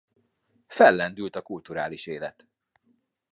Fellendült a kulturális élet.